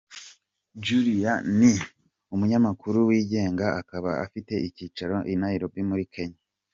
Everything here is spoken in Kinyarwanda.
Julia ni umunyamakuru wigenga akaba afite icyicaro i Nairobi muri Kenya.